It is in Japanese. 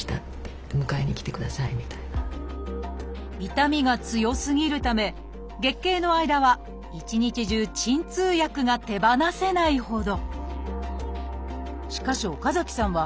痛みが強すぎるため月経の間は一日中鎮痛薬が手放せないほど。